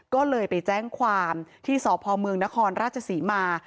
ก็เลยไปแจ้งความที่สพเมืองนครราชศรีมา